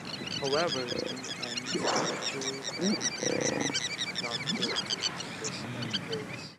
However, in the end, the jury found Kelly not guilty in the case.